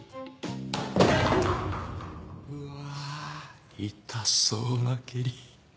うわ痛そうな蹴り。